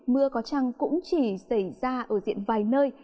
mưa có chăng cũng chỉ xảy ra ở diện vài nơi